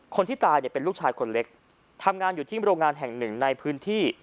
คนที่ตายเนี่ยเป็นลูกชายคนเล็กทำงานอยู่ที่โรงงานแห่งหนึ่งในพื้นที่